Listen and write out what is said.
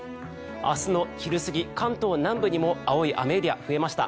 明日の昼過ぎ、関東南部にも青い雨エリアが増えました。